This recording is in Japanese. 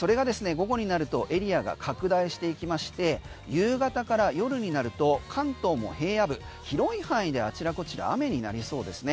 午後になるとエリアが拡大していきまして夕方から夜になると関東も平野部広い範囲であちらこちら雨になりそうですね。